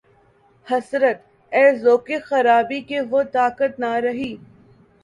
حسرت! اے ذوقِ خرابی کہ‘ وہ طاقت نہ رہی